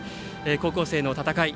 高校生の戦い